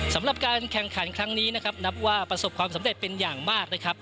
สำหรับการแข่งขันครั้งนี้นะครับนับว่าประสบความสำเร็จเป็นอย่างมากนะครับ